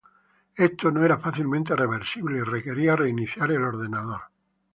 Esto no era fácilmente reversible y requería reiniciar el ordenador.